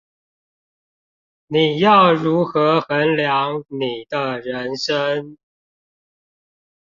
你要如何衡量你的人生